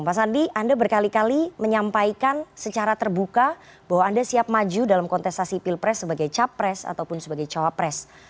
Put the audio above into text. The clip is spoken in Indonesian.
pak sandi anda berkali kali menyampaikan secara terbuka bahwa anda siap maju dalam kontestasi pilpres sebagai capres ataupun sebagai cawapres